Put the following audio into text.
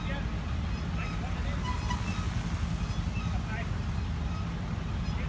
จากเมื่อเวลาเกิดขึ้นมันกลายเป้าหมาย